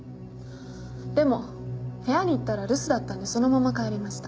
でも部屋に行ったら留守だったんでそのまま帰りました。